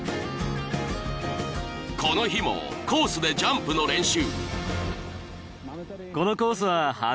［この日もコースでジャンプの練習］